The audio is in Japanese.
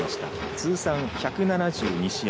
通算１７２試合。